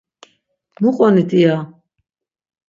Muqonit iya!